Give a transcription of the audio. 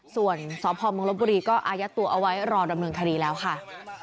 ส่วนสพมลบบุรีก็อายัดตัวเอาไว้รอดำเนินคดีแล้วค่ะ